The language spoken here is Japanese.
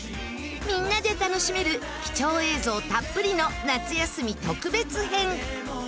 みんなで楽しめる貴重映像たっぷりの夏休み特別編。